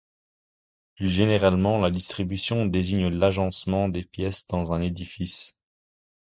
Plus généralement, la distribution désigne l'agencement des pièces dans un édifice.